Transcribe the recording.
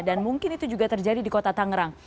dan mungkin itu juga terjadi di kota tangerang